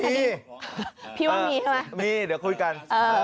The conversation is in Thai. มีพี่ว่ามีใช่ไหมมีเดี๋ยวคุยกัน